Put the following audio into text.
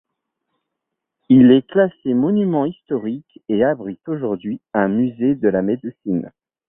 Il est classé monument historique et abrite aujourd'hui un musée de la Médecine.